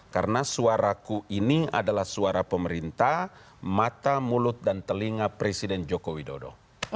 karena suaraku ini adalah suara pemerintah mata mulut dan telinga presiden joko widodo